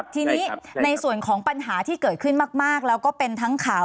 ทีนี้ในส่วนของปัญหาที่เกิดขึ้นมากแล้วก็เป็นทั้งข่าว